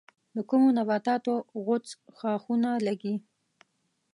د کومو نباتاتو غوڅ ښاخونه لگي؟